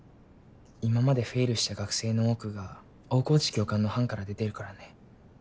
今までフェイルした学生の多くが大河内教官の班から出ているからね。